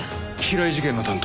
平井事件の担当